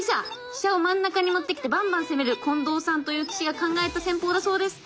飛車を真ん中に持ってきてバンバン攻める近藤さんという棋士が考えた戦法だそうです。